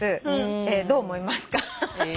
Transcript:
どう思いますか？